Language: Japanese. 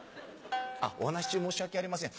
「お話し中申し訳ありません